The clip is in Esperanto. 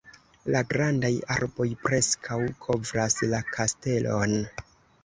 La grandaj arboj preskaŭ kovras la kastelon.